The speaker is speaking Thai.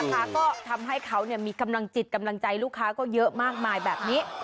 ก็ทำให้เขามีกำลังจิตกำลังใจลูกค้าก็เยอะมากมายแบบนี้